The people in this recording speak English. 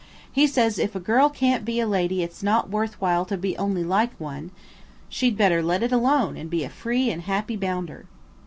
He says if a girl can't be a lady it's not worth while to be only like one–she'd better let it alone and be a free and happy bounder.